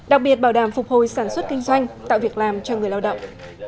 đặc biệt bảo đảm phục hồi sản xuất kinh doanh tạo việc làm cho người lao động